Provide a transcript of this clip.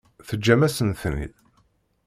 Teǧǧam-asen-ten-id?